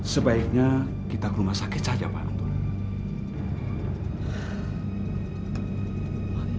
sebaiknya kita ke rumah sakit saja pak